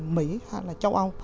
mỹ hay là châu âu